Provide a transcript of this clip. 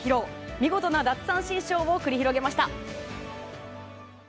見事な奪三振ショーを繰り広げました。